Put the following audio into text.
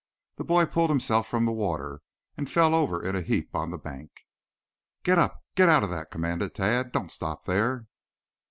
The boy pulled himself from the water and fell over in a heap on the bank. "Get up. Get out of that!" commanded Tad. "Don't stop there."